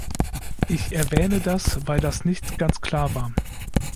Ich erwähne das, weil das nicht ganz klar war.